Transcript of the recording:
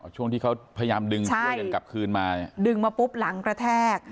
ช่วงที่เขาพยายามดึงช่วยกันกลับคืนมาดึงมาปุ๊บหลังกระแทก